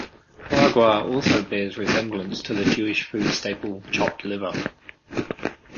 Foie Gras also bears resemblance to the Jewish food staple, chopped liver.